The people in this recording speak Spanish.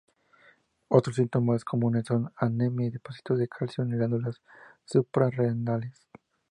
Otros síntomas comunes son anemia y depósitos de calcio en las glándulas suprarrenales.